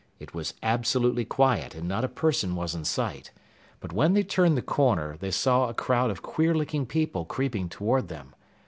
It was absolutely quiet, and not a person was in sight. But when they turned the corner, they saw a crowd of queer looking people creeping toward them.